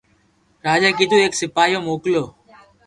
راجا ڪنو ايڪ سپايو موڪلي